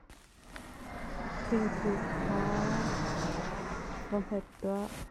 Thingthu kha van paih tuah.